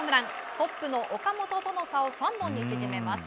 トップの岡本との差を３本に縮めます。